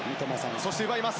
そして奪います。